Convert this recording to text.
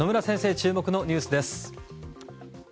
注目のニュースです。